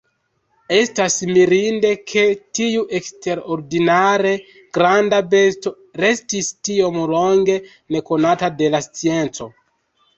Estas mirinde ke tiu eksterordinare granda besto restis tiom longe nekonata de la scienco.